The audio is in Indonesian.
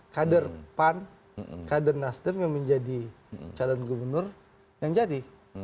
kader pan kader nasdem yang menjadi calon gubernur yang jadi